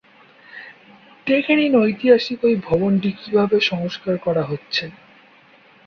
দেখে নিন ঐতিহাসিক ওই ভবনটি কিভাবে সংস্কার করা হচ্ছে।